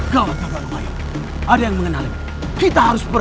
gawat gawat ayo ada yang mengenalinya kita harus ber